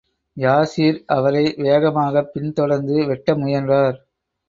Yasir அவரை வேகமாகப் பின் தொடர்ந்து வெட்ட முயன்றார்.